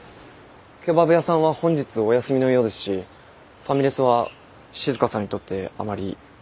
ケバブ屋さんは本日お休みのようですしファミレスは静さんにとってあまりいい印象の。